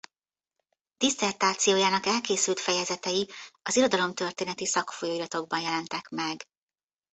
Disszertációjának elkészült fejezetei az irodalomtörténeti szakfolyóiratokban jelentek meg.